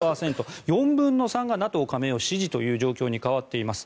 賛成が７６％４分の３がＮＡＴＯ加盟を支持という状況に変わっています。